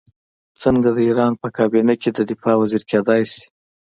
څنګه د ایران په کابینه کې د دفاع وزیر کېدلای شي.